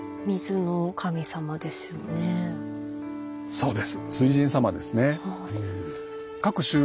そうです。